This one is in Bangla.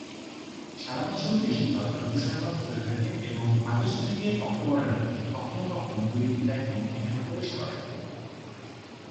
সারা বছর বৃষ্টিপাত বা তুষারপাত হতে থাকে, এবং আগস্ট থেকে অক্টোবরের মধ্যে কখনও কখনও দু’একটি টাইফুন এখানে প্রবেশ করে।